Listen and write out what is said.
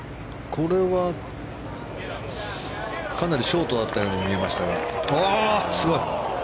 かなりショートだったように見えましたが、すごい。